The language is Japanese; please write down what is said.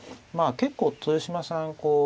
まあ結構豊島さん